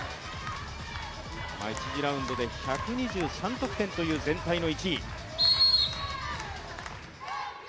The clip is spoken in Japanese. １次ラウンドで１２３得点という全体の１位。